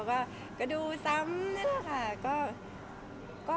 เขาก็ดูซ้ำแบบนั้นล่ะค่ะ